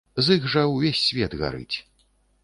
З іх жа ўвесь свет гарыць.